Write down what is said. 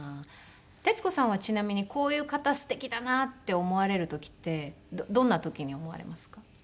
徹子さんはちなみにこういう方すてきだなって思われる時ってどんな時に思われますか？